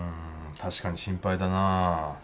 確かに心配だな。